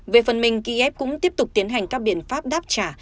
về phần mình kiev cũng tiếp tục tiến hành các biện pháp đáp trả